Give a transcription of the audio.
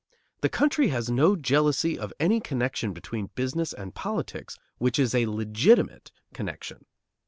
The country has no jealousy of any connection between business and politics which is a legitimate connection.